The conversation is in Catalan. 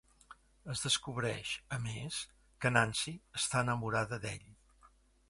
Es descobreix, a més, que Nancy està enamorada d'ell.